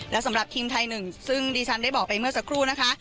และสำหรับทีมไทยหนึ่งซึ่งดิฉันได้บอกไปเมื่อสักครู่นะคะ